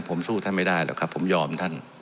ผมสู้ท่านไม่ได้หรอกครับผมยอมท่าน